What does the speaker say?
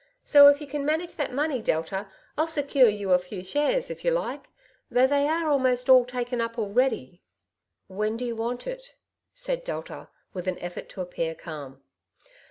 So, if you can manage that money. Delta, I'll secure you a few shares, if you like, though they are almost all taken up already/' '' When do you want it ?'' said Delta, with an effort to appear calm.